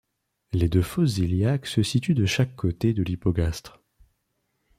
Les deux fosses iliaques se situent de chaque côté de l'hypogastre.